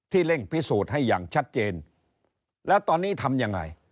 เร่งพิสูจน์ให้อย่างชัดเจนแล้วตอนนี้ทำยังไง